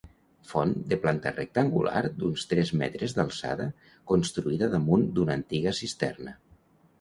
Font de planta rectangular d'uns tres metres d'alçada, construïda damunt d'una antiga cisterna.